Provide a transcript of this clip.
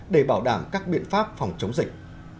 để bảo đảm các biện pháp phòng chống dịch